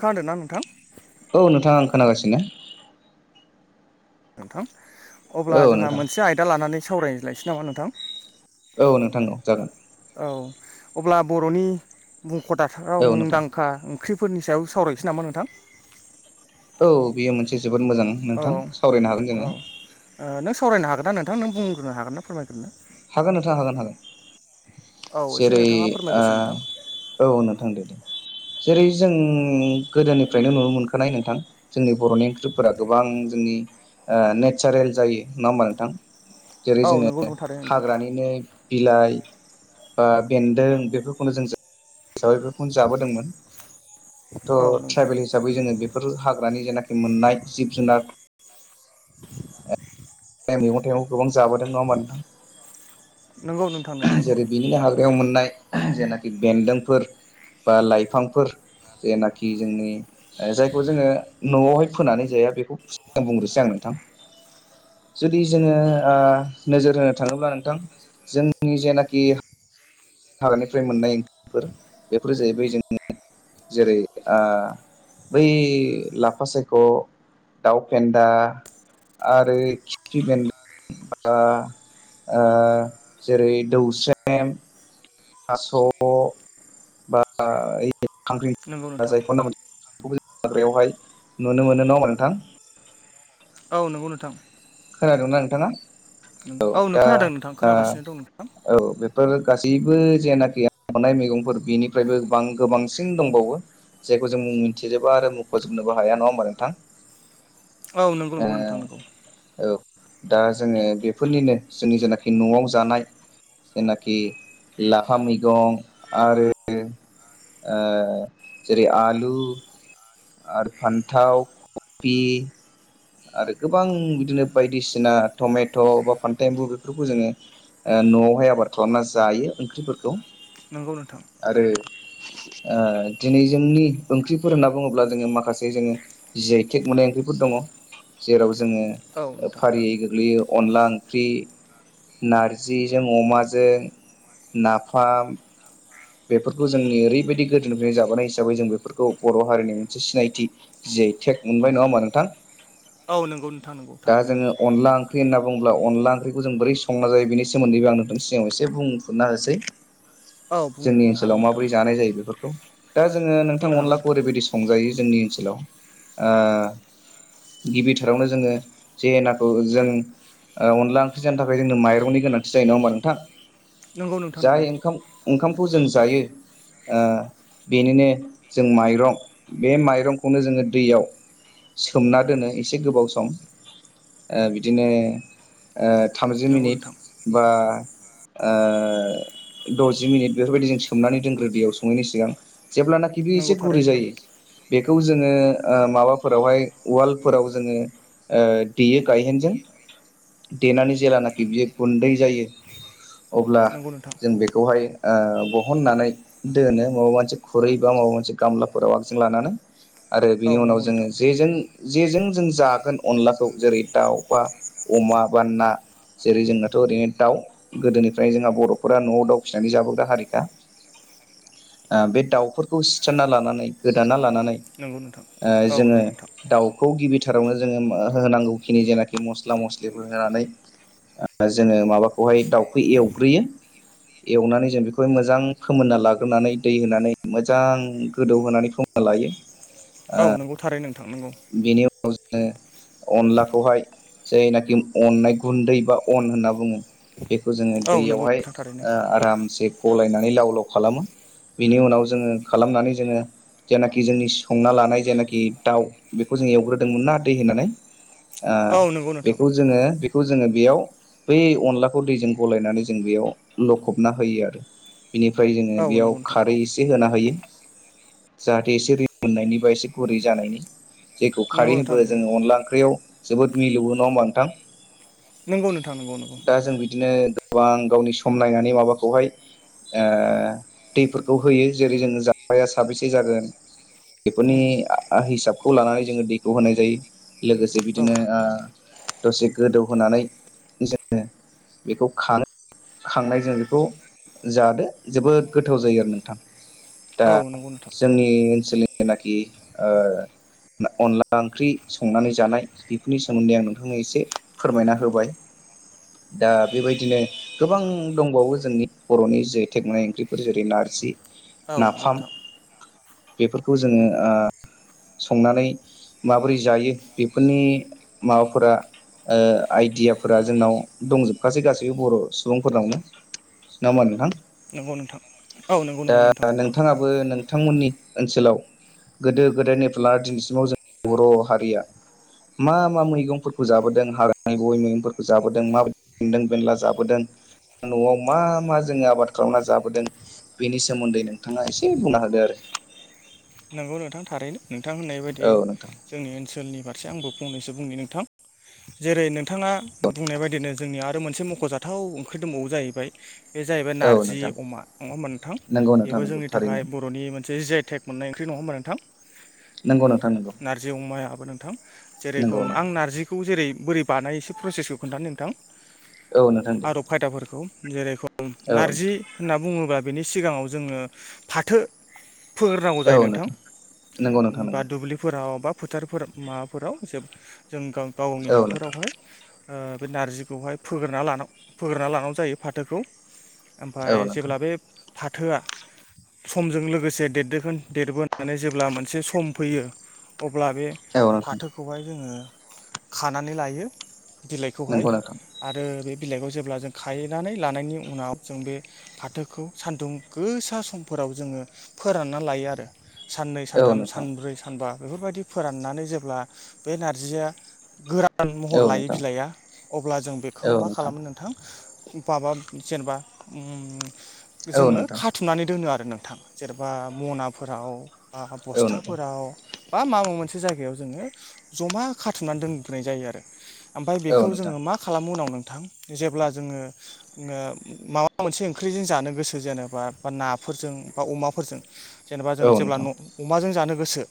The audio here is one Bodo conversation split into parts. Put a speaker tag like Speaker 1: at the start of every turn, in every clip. Speaker 1: खोनादों ना नोंथां?
Speaker 2: औ नोंथां आं खोनागासिनो।
Speaker 1: नोंथां अब्ला
Speaker 2: औ
Speaker 1: जोंहा
Speaker 2: नोंथां
Speaker 1: मोनसे आयदा लानानै सावरायज्लायसै नामा नोंथां।
Speaker 2: औ नोंथां औ जागोन।
Speaker 1: औ अब्ला बर'नि बुंख' दाथाराव
Speaker 2: औ नोंथां
Speaker 1: मुंदांखां ख्रिफोरनि सायाव सावरायनोसै नामा नोंथां
Speaker 2: औ बेयो मोनसे जोबोद मोजां
Speaker 1: औ
Speaker 2: नोंथां सावरायनो हागोन
Speaker 1: औ
Speaker 2: जोङो।
Speaker 1: ओ नों सावरायनो हागोन ना नोंथां नों बुंग्रोनो हागोनना फोरमाय
Speaker 2: हागोन नोंथां हागोन हागोन।
Speaker 1: औ एसे
Speaker 2: जेरै
Speaker 1: नोंथाङा
Speaker 2: आ
Speaker 1: फोरमायग्रोसो नोंथां
Speaker 2: औ नोंथां दे दे जेरै जों गोदोनिफ्रायनो नुनो मोनखानाय नोंथां जोंनि बर'नि ओंख्रिफोरा गोबां जोंनि ओ नेचारेल जायो नङा होमबा नोंथां जेरै
Speaker 1: औ
Speaker 2: जोङो
Speaker 1: नंगौ नंथारो
Speaker 2: हाग्रानिनो बिलाइ बा बेन्दों बेफोरखौनो जों जा हिसाबै बेफोरखौनो जाबोदोंमोन।
Speaker 1: औ
Speaker 2: थ'
Speaker 1: नोंथां
Speaker 2: ट्राइबेल हिसाबै जोङो बेफोर हाग्रानि जेनाखि मोननाय जिब जुनार टाइम मैगं थायगं गोबां जाबोदों नङा होमबा
Speaker 1: नंगौ नोंथां
Speaker 2: नोंथां
Speaker 1: नंगौ नंगौ
Speaker 2: जेरै बिनिनो हाग्रायाव मोननाय जेनाखि बेन्दोंफोर बा लाइफांफोर जेनाखि जोंनि जायखौ जोङो न'आवहाय फोनानै जाया बेखौ बुंग्रोसै आङो थां जुदि जोङो ओ नोजोर होनो थाङोब्ला नोंथां जोंनि जेनाखि हागानिफ्राय मोननाय ओंख्रिफोर बेफोरो जाहैबाय जोंनि जेरै आ बै लाफा सायख' दाउ फेन्दा आरो खिफि बेेन्द बा ओ जेरै दौस्रेम थास' बा ऐ खांख्रिं
Speaker 1: नंगौ नोंथां
Speaker 2: जायखौना मोन हाग्रायावहाय नुनो मोनो नङा होमबा नोंथां
Speaker 1: औ नंगौ नोंथां
Speaker 2: खोनादों ना नोंथाङा औ
Speaker 1: नों
Speaker 2: दा
Speaker 1: खोनादों नोंथां
Speaker 2: आ
Speaker 1: खोनागासिनो दं नोंथां
Speaker 2: औ बे फोर गासैबो जेनाखिनाय मैगंफोर बेनिफ्रायबो बां गोबांसिन दंबावो जायखौ जों मुं मिथिजोबा आरो मख'जोबनोबो हाया नङा होमबा नोंथां
Speaker 1: औ नंगौ
Speaker 2: ओ
Speaker 1: नंगौ नोंथां नोंगौ
Speaker 2: औ दा जोंनि बेफोरनिनो जोंनि जेनाखि न'आव जानाय जेनाखि लाफा मैगं आरो ओ जेरै आलु आरो फान्थाव कपि आरो गोबां बिदिनो बायदिसिना टमेट' बा फान्थ एम्बु बेफोरखौ जोङो न'आवहाय आबाद खालामना जायो ओंख्रिफोरखौ
Speaker 1: नंगौ नोंथां
Speaker 2: आरो ओ दिनै जोंनि ओंख्रिफोर होनना बुङोब्ला जोङो माखासे जोङो जियाय तेक मोननाय ओंख्रिफोर दङ जेराव जोङो
Speaker 1: औ नोंथां
Speaker 2: फारियै गोग्लैयो अनला ओंख्रि नारजिजों अमाजों नाफाम बेफोरखौ जोंनि ओरैबायदि गोदोनिफ्रायनो जाबोनाय हिसाबै जों बेफोरखौ बर' हारिनि मोनसे सिनायथि जियै टेक मोनबाय नङा होमा नोंथां
Speaker 1: औ नंगौ नोंथां नंगौ
Speaker 2: दा
Speaker 1: थारैनो
Speaker 2: जोङो अनला ओंख्रि होनना बुङोब्ला अनला ओंख्रिखौ जों बोरै संना जायो बेनि सोमोन्दैबो आं नोंथांनि सिगाङाव एसे बुंफुनो होसै
Speaker 1: औ
Speaker 2: जोंनि
Speaker 1: बुंनो हागोन
Speaker 2: ओनसोलाव
Speaker 1: नोंथां
Speaker 2: माबोरै जानाय जायो बेफोरखौ दा जोङो नोंथां
Speaker 1: बुंनो हागोन
Speaker 2: अनलाखौ
Speaker 1: नोंथां
Speaker 2: ओरैबायदि संजायो जोंनि ओनसोलाव ओ गिबिथारावनो जोङो जे नाखौ जों ओ अनला ओंख्रि जानो थाखाय जोंनो माइरंनि गोनांथि जायो नङा होमबा नोंथां
Speaker 1: नंगौ नोंथां नंगौ
Speaker 2: जाय ओंखाम ओंखामखौ जों जायो ओ बेनिनो जों माइरं बे माइरंखौनो जोङो दैयाव सोमना दोनो एसे गोबाव सम ओ बिदिनो ओ थामजि
Speaker 1: नंगौ
Speaker 2: मिनिट
Speaker 1: नोंथां
Speaker 2: बा ओ दजि मिनिट बेफोरबायदि जों सोमनानै दोनग्रो दैयाव सङैनि सिगां जेब्लानाखि बे
Speaker 1: नंगौ
Speaker 2: एसे
Speaker 1: थारै
Speaker 2: गरै
Speaker 1: नोंथां
Speaker 2: जायो बेखौ जोङो ओ माबाफोरावहाय उवालफोराव जोङो ओ देयो गायहेनजों देनानै जेलानाखि बियो गुन्दै जायो अब्ला
Speaker 1: नंगौ नोंथां
Speaker 2: जों बेखौहाय ओ बहननानै दोनो माबा मोनसे खुरै बा माबा मोनसे गामलाफोराव आगजों लानानै आरो
Speaker 1: औ
Speaker 2: बिनि उनाव
Speaker 1: नंगौ
Speaker 2: जोङो
Speaker 1: नोंथां
Speaker 2: जेजों जेजों जों जागोन अनलाखौ जेरै दाउ बा अमा बा ना जेरै जोंनाथ' ओरैनो दाउ गोदोनिफ्राय जोंहा बर'फोरा न'आव दाउ फिनानै जाबोबोग्रा हारिखा
Speaker 1: [inaudible] [unintelligible]
Speaker 2: ओ बे दाउफोरखौ सिथारना लानानै गोदाना ला लानानै
Speaker 1: नंगौ नोंथां औ
Speaker 2: जोङो
Speaker 1: नंगौ नोंथां
Speaker 2: खौ गिबिथारावनो जोङो होनांगौखिनि जेनाखि मस्ला मस्लिफोर होनानै जोङो माबाखौहाय दाउखौ एवग्रोयो एवनानै जों बेखौ मोजां फोमोनना लाग्रोनानै दै होनानै मोजां गोदौहोनै फो ना लायो
Speaker 1: औ नोंगौ थारै नों
Speaker 2: बेनि उनाव जोङो अनलाखौहाय जायनाखि अननाय गुन्दै बा अन होनना बुङो बेखौ जोङो
Speaker 1: औ नंगौ
Speaker 2: दैयावहाय
Speaker 1: नोंथां थारैनो
Speaker 2: ओ आरामसे गलायनानै लाव लाव खालामो बिनि उनाव जोङो खालामनानै जोङो जेनाखि जोंनि संना लानाय जेनाखि दाउ बेखौ जों एवग्रोदोंमोन ना दै होनानै ओ
Speaker 1: औ नंगौ नोंथां
Speaker 2: बेखौ जोङो बेखौ जोङो बेयाव बै अनलाखौ दैजों गलायनानै जों बेयाव लखबना होयो आरो बिनिफ्राय जोङो
Speaker 1: औ नंगौ
Speaker 2: बेयाव
Speaker 1: नोंथां
Speaker 2: खारै एसे होना हायो। जाहाथे एसे रिमोननायनि बा एसे गुरै जानायनि जेखौ खारै
Speaker 1: नंगौ नोंथां
Speaker 2: होबो
Speaker 1: नंगौ
Speaker 2: जोङो अनला ओंख्रियाव जोबोद मिलौवो नङा होनबा नोंथां
Speaker 1: नंगौ नोंथां नंगौ नंगौ
Speaker 2: दा जों बिदिनो गोबां गावनि सम नायनानै माबाखौहाय ओ दैफोरखौ होयो जेरै जोंङो जाग्राया साबेसे जागोन बेफोरनि
Speaker 1: उम
Speaker 2: हिसाबखौ लानानै जोङो दैखौ होनाय जायो। लोगोसे
Speaker 1: औ
Speaker 2: बिदिनो ओ दसे गोदौहोनानै जोङो बेखौ खानो खांनायजों बेखौ जादो जोबोद गोथाव जायो आरो नोंथां। दा
Speaker 1: औ नंगौ नोंथां
Speaker 2: जोंनि ओनसोलनि जेनाखि ओ अनला ओंख्रि संनानै जानाय बेफोरनि सोमोन्दै आं नोंथांनो एसे फोरमायना होबाय। दा बेबायदिनो गोबां दंबावो जोंनि बर'नि जि आइ टेक मोननाय ओंख्रिफोर जेरै नारजि
Speaker 1: औ नंगौ
Speaker 2: नाफाम
Speaker 1: नोंथां।
Speaker 2: बेफोरखौ जोङो ओ संनानै माबोरै जायो बेफोरनि माबाफोरा ओ आइडियाफोरा जोंनाव दंजोबखासै गासैबो बर' सुबुंफोरनावनो। नङा होमबा नोंथां?
Speaker 1: नंगौ नोंथां। औ नंगौ
Speaker 2: दा
Speaker 1: नंगौ नोंथां
Speaker 2: नोंथाङाबो नों थांमोननि ओनसोलाव गोदो गोदायनि [unintelligible] दिनैसिमाव जों बर' हारिया मा मा मैगंफोरखौ जाबोदों हाग्रानि बबे मैगंफोरखौ जाबोदों माबायदि बेन्दों बेनला जाबोदों? न'आव मा मा जोङो आबाद खालामना जाबोदों? बेनि सोमोन्दै नोंथाङा एसे बुंना होदो आरो?
Speaker 1: नंगौ नोंथां थारैनो नोंथां होननाय बायदि
Speaker 2: औ नोंथां
Speaker 1: जोंनि ओनसोलनि फारसे आंबो फंनैसो बुंनि नोंथां जेरै नोंथाङा बुंनाय बायदिनो जोंनि आरो। आरो मोनसे मख'जाथाव ओंख्रि दंबावो जाहैबाय। बे जाहैबाय
Speaker 2: औ
Speaker 1: नारजि
Speaker 2: नोंथां
Speaker 1: अमा अमा मोनथाम
Speaker 2: नंगौ नोंथां
Speaker 1: बेबो
Speaker 2: नंगौ
Speaker 1: जोंनि थाखाय
Speaker 2: थारैनो
Speaker 1: बर'नि मोनसे जेटेक नाय ओंख्रि नङा होमब्ला नोंथां।
Speaker 2: नोंगौ
Speaker 1: नारजि अमायाबो नोंथां
Speaker 2: नंगौ
Speaker 1: जेरैखम आं नारजिखौ जेरै बोरै बानाय एसे प्रसेसखौ खोन्थानो नोंथां
Speaker 2: औ नोंथां दे
Speaker 1: आदब खायदाफोरखौ जेरै
Speaker 2: औ
Speaker 1: नारजि होनना बुङोब्ला बेनि सिगाङाव जोङो फाथो फोरनांगौ जायो नोंथां
Speaker 2: नंगौ नोंथां
Speaker 1: बा
Speaker 2: नंगौ
Speaker 1: दुब्लि फोराव बा फोथारफोर माबाफोराव ज जों गावनि
Speaker 2: औ नोंथां
Speaker 1: हाफोरावहाय बे नारजिखौहाय फोग्रोनना फोग्रोनना लानांगौ जायो फाथोखौ।
Speaker 2: औ
Speaker 1: ओमफ्राय
Speaker 2: नोंथां
Speaker 1: जेब्ला बे फाथोआ समजों लोगोसे देरदोगोन देरबोनानै जेब्ला मोनसे सम फैयो। अब्ला बे
Speaker 2: औ नोंथां
Speaker 1: फाथोखौहाय जोङो खानानै लायो। बिलाइखौहाय
Speaker 2: नंगौ नोंथां
Speaker 1: आरो बे बिलाइखौ जेब्ला जों खाहैनानै लानायनि उनाव जों बे फाथोखौ सान्दुं गोसा समफोराव। जोङो फोराननानै लायो आरो साननै
Speaker 2: औ
Speaker 1: सानथाम
Speaker 2: नोंथां
Speaker 1: सानब्रै सानबा। बेफोरबायदि फोराननानै जेब्ला बे नारजिया गोरा गोदान महर
Speaker 2: औ
Speaker 1: लायो
Speaker 2: नोंथां
Speaker 1: बिलाइआ अब्ला जों बेखौ
Speaker 2: औ
Speaker 1: मा
Speaker 2: नोंथां औ
Speaker 1: खालामो नोंथां। माबा जेनेबा
Speaker 2: औ
Speaker 1: जोङो
Speaker 2: नोंथां
Speaker 1: खाथुमनानै दोनो आरो। आरो नोंथां जेन'बा मनाफोराव बा
Speaker 2: औ नोंथां
Speaker 1: बस्थाफोराव। बा माबा मोनसे जायगायाव जोङो जमा खाथुमनानै दोनब्राय जायो आरो। ओमफ्राय बेखौ जोङो मा खालामो उनाव नों जेब्ला जोङो माबा मोनसे ओंख्रिजों जानो गोसो जेनेा बा ना फोरजों बा अमाफोरजों जेनेबा जों
Speaker 2: औ
Speaker 1: जेब्ला
Speaker 2: नोंथां
Speaker 1: अमाजों जानो गोसो।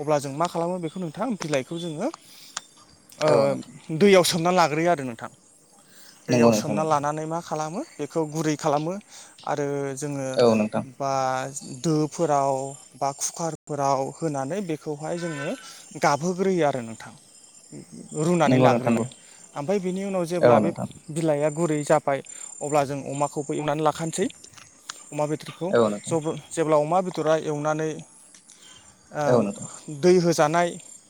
Speaker 1: अब्ला जों मा खालामो बेखौ नोंथां बिलाइखौ जोङो
Speaker 2: औ नोंथां
Speaker 1: दैयाव सोमना लाग्रोयो आरो नोंथां
Speaker 2: नंगौ
Speaker 1: दैयाव
Speaker 2: नोंथां
Speaker 1: सोमना
Speaker 2: नंगौ
Speaker 1: लानानै मा खालामो बेखौ गुरै खालामो आरो जोङो
Speaker 2: औ नोंथां
Speaker 1: बा दोफोराव बा कुकारफोराव होनानै बे बेखौहाय जोङो गाबहोग्रोयो आरो नोंथां। रुनानै
Speaker 2: नंगौ नोंथां
Speaker 1: लाग्रोयो
Speaker 2: नंगौ
Speaker 1: ओमफ्राय बिनि उनाव जेब्ला
Speaker 2: औ
Speaker 1: बे
Speaker 2: नोंथां
Speaker 1: बिलाइया गुर [unintelligible]
Speaker 2: औ नोंथां
Speaker 1: जेब्ला अमा बेदरा एवनानै
Speaker 2: औ
Speaker 1: ओम
Speaker 2: नोंथां
Speaker 1: दै होस जानाय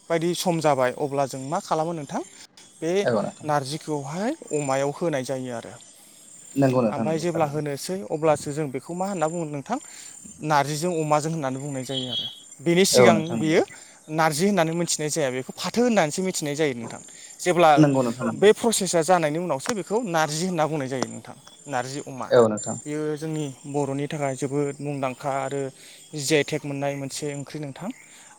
Speaker 1: बायदि सम जाबाय अब्ला जों मा खालामो नोंथां बे
Speaker 2: औ नोंथां
Speaker 1: नारजिखौहाय अमायाव होनाय जायो आरो
Speaker 2: नंगौ नोंथां
Speaker 1: ओमफाय
Speaker 2: नंगौ
Speaker 1: जेब्ला
Speaker 2: थारैनो
Speaker 1: होनोसै अब्लासो जों बेखौ मा होन्ना बुङो नोंथां नार्जिजों अमाजों होननानै बुं बुंनाय जायो आरो बेनि
Speaker 2: औ
Speaker 1: सिगां
Speaker 2: नोंथां
Speaker 1: बियो नारजि होननानै मिथिनाय जाया बेखौ फाथो होननानैसो मिथ मिथिनाय जायो नोंथां जेब्ला
Speaker 2: नंगौ नंगौ नोंथां नंगौ
Speaker 1: बे प्रसेसा जानायनि उनावसो बेखौ नारजि होनना बुंनाय जायो नोंथां नारजि अमा
Speaker 2: औ नोंथां
Speaker 1: बेयो जोंनि बर'नि थाखाय जोबोद मुंदांखा आरो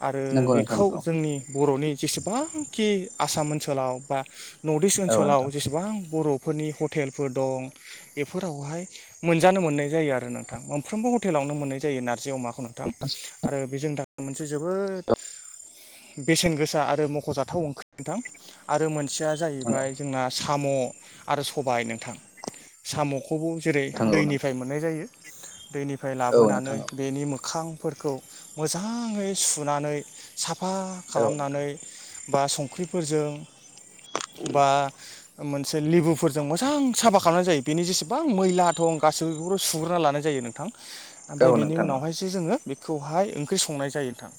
Speaker 1: आरो
Speaker 2: नंगौ नोंथां
Speaker 1: बेखौ
Speaker 2: नंगौ
Speaker 1: जोंनि बर'नि जेसेबांखि आसाम ओनसोलाव बा नर्थ इस्ट
Speaker 2: औ नोंथां
Speaker 1: ओनसोलाव जेसेबां बर' फोरनि हटेलफोर दं बेफोरावहाय मोनजानो मोननाय जायो आरो नोंथां मोनफ्रोमबो हटेलाव [unintelligible] नो मोननाय जायो नारजि अमाखौ नोंथां आरो बे जोंनि थाखाय मोनसे जोबोद बेसेन गोसा आरो मख'जाथ थाव ओंख्रि नोंथां आरो मोनसेया
Speaker 2: नोंथां औ
Speaker 1: जाहैबाय जोंना साम' आरो सबाय नोंथां साम'खौबो जेरै
Speaker 2: नोंथां
Speaker 1: दैनिफ्राय मोननाय जायो दैनिफ्राय
Speaker 2: औ
Speaker 1: लाबोनानै
Speaker 2: नोंथां
Speaker 1: बेनि मोखांफोरखौ मोजाङै सुनानै साफ साफा
Speaker 2: औ
Speaker 1: खालामनानै बा संख्रिफोरजों बा मोनसे लेबुफोरजों मोजां साफा खालामनाय जायो बेनि जेसेबां मैला दं गासैबो बेफोरखौ सुग्रोना लानाय जायो नोंथां। ओमफाय
Speaker 2: नोंथां औ
Speaker 1: बेनि
Speaker 2: नोंथां औ
Speaker 1: उनावहायसो जोङो बेखौहाय ओंख्रि संनाय जायो नोंथां।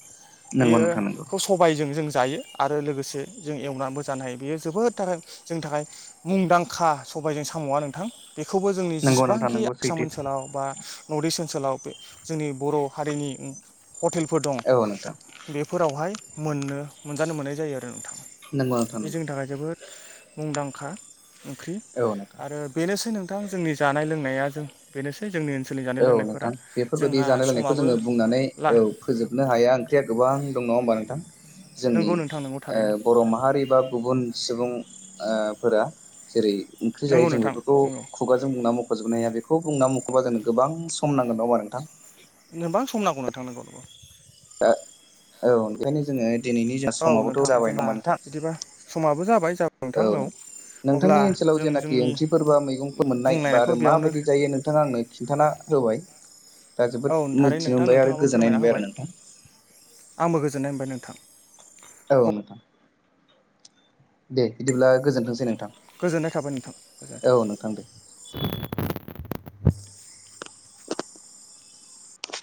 Speaker 2: नंगौ
Speaker 1: बेयो
Speaker 2: नोंथां नंगौ
Speaker 1: खौ सबायजों जों जायो आरो लोगोसे जों एवनाबो जानो हायो बेयो जोबोद थार जोंनि थाखाय मुंदांखा सबायजों साम'आ नोंथां बेखौबो जोंनि
Speaker 2: नंगौ नोंथां
Speaker 1: जेसेबांखि
Speaker 2: नंगौ
Speaker 1: आसाम
Speaker 2: सैथो
Speaker 1: ओनसोलाव बा नर्थ इस्ट ओनसोलाव जोंनि बर' हारिनि उम हटेलफोर दं
Speaker 2: औ नोंथां
Speaker 1: बेफोरावहाय मोननो मोनजानो मोननाय जायो आरो। नोंथां
Speaker 2: नंगौ नोंथां
Speaker 1: बे
Speaker 2: नंगौ
Speaker 1: जोंनि थाखाय जोबोद मुंदांखा ओंख्रि
Speaker 2: औ नोंथां
Speaker 1: आरो बेनोसै नोंथां जोंनि जानाय लोंनाया जों बेनोसै जोंनि ओनसोलनि जानाय
Speaker 2: औ
Speaker 1: लोंनायफोरा
Speaker 2: नोंथां बेफोरबायदि
Speaker 1: जोंहा
Speaker 2: जानाय-लायनायखौ
Speaker 1: समाबो
Speaker 2: जोङो बुंनानै
Speaker 1: ला
Speaker 2: औ फोजोबनो हाया। ओंख्रिया गोबां दं नङा होमबा नोंथां? जोंनि
Speaker 1: नंगौ नोंथां नंगौ थारैनो
Speaker 2: ओ बर' माहारि बा गुबुन सुबुं आ फोरा जेरै ओंख्रि
Speaker 1: नंगौ
Speaker 2: जायो जों
Speaker 1: नोंथां
Speaker 2: बेफोरखौ
Speaker 1: नंगौ
Speaker 2: खुगाजों बुंना मख'जोबनो हाया बेखौ बुंना मख'बा जों गोबां सम नांगोन नङा होमबा नोंथां?
Speaker 1: गोबां सम नांगौ नोंथां नंगौ अ
Speaker 2: आ औ ओंखायनो जोङो दिनैनि जोंहा
Speaker 1: औ
Speaker 2: समाबोथ'
Speaker 1: नोंथां
Speaker 2: जाबाय नङा
Speaker 1: जोंहा
Speaker 2: होमबा नोंथां
Speaker 1: बिदिबा
Speaker 2: औ
Speaker 1: स
Speaker 2: नोंथांनि ओनसोलाव जेनोखि ओंख्रिफोर बा मैगंफोर मोननाय बा
Speaker 1: बुंलायनायखौ
Speaker 2: आरो
Speaker 1: बेयावनो
Speaker 2: माबायदि जायो नोंथाङा आंनो खिन्थाना होबाइ
Speaker 1: औ थारै नोंथां नोंथाङाबो
Speaker 2: गोजोननाय
Speaker 1: फोरमायना
Speaker 2: मोनबाय आरो
Speaker 1: होबाय
Speaker 2: नोंथां
Speaker 1: आंबो गोजोननाय मोनबाय नों
Speaker 2: औ नोंथां दे बिदिब्ला गोजोनथोंसै नोंथां।
Speaker 1: गोजोननाय थाबाय नोंथां गोजोननाय
Speaker 2: औ
Speaker 1: थाबाय
Speaker 2: नोंथां दे।